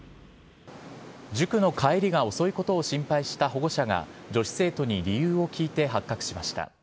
塾の帰りが遅いことを心配した保護者が女子生徒に理由を聞いて発覚しました。